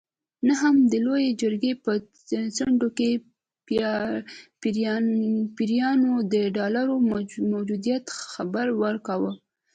نه هم د لویې جرګې په څنډه کې پیریانو د ډالرو موجودیت خبر ورکاوه.